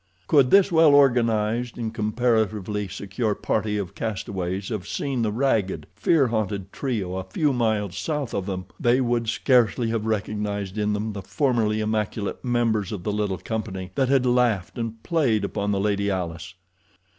Could this well organized and comparatively secure party of castaways have seen the ragged, fear haunted trio a few miles south of them they would scarcely have recognized in them the formerly immaculate members of the little company that had laughed and played upon the Lady Alice.